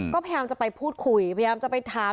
ก็พยายามจะไปพูดคุยพยายามจะไปถาม